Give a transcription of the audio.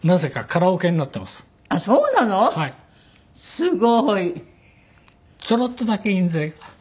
すごい。ちょろっとだけ印税が。